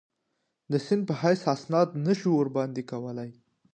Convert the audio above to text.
د سند په حیث استناد نه شو ورباندې کولای.